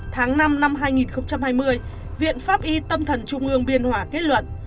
tháng năm năm hai nghìn hai mươi viện pháp y tâm thần trung ương biên hòa kết luận